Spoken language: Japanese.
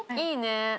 いいね。